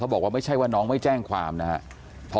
บอกว่าไม่ใช่ว่าน้องไม่แจ้งความนะครับ